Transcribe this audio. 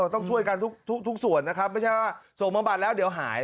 ต้องช่วยกันทุกส่วนนะครับไม่ใช่ว่าส่งบำบัดแล้วเดี๋ยวหาย